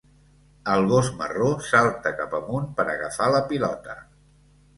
El gos marró salta cap amunt per agafar la pilota.